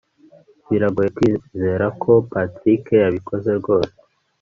biragoye kwizera ko patrick yabikoze rwose